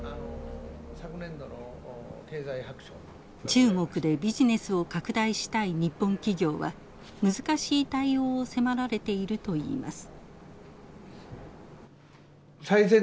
中国でビジネスを拡大したい日本企業は難しい対応を迫られているといいます。